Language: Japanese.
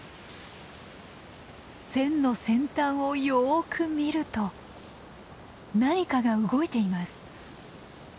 線の先端をよく見ると何かが動いています。